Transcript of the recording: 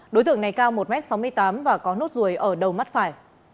đối tượng này cao một m sáu mươi tám và có nốt ruồi ở đầu mắt phải